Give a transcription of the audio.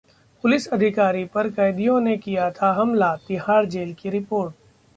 police अधिकारी पर कैदियों ने किया था हमला: तिहाड़ जेल की रिपोर्ट